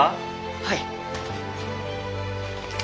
はい。